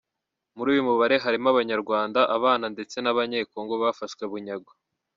Muri uyu mubare harimo abanyarwanda, abana ndetse n’abanyekongo bafashwe bunyago.